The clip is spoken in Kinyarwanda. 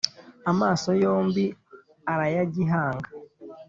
amaso yombi arayagihanga,